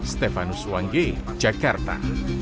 stefanus wangge jakarta